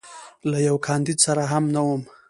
له یوه کاندید سره هم نه وم.